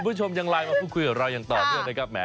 คุณผู้ชมยังไลน์มาพูดคุยกับเราอย่างต่อเนื่องนะครับ